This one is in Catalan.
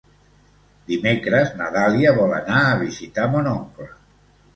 Dimecres na Dàlia vol anar a visitar mon oncle.